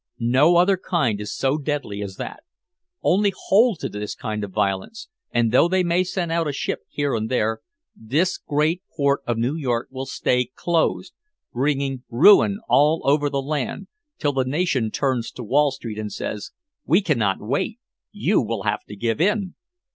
No other kind is so deadly as that. Only hold to this kind of violence, and though they may send out a ship here and there, this great port of New York will stay closed bringing ruin all over the land till the nation turns to Wall Street and says, 'We cannot wait! You will have to give in!'"